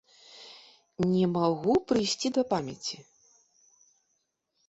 Не магу прыйсці да памяці.